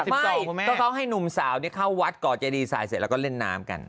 จะไปแล้วครับไม่ก็ต้องให้หนุ่มสาวนี่เข้าวัดก่อใจดีไซค์เสร็จแล้วก็เล่นน้ำกัน